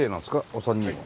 お三人は。